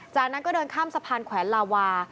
จากนั้นก็เดินข้ามสะพานแขวนลาวา